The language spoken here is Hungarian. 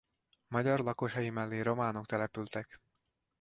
Magyar lakosai mellé románok települtek.